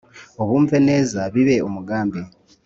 ubyumve neza bibe umugambi